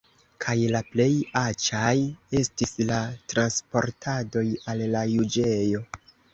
Kaj la plej aĉaj estis la transportadoj al la juĝejo.